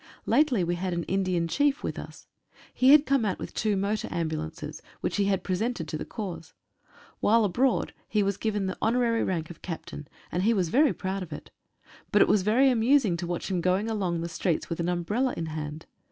Lately we had an Indian chief with us. He had come out with two motor ambulances, which he had presented to the corps. While abroad he was given the honorary rank of captain, and he was very proud of it. But it was very amusing to watch him going along the streets with an umbrella in hand.